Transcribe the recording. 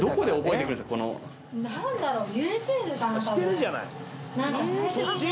何だろう？